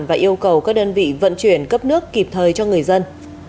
và yêu cầu các đơn vị vận chuyển cấp nước kịp thời cho người dân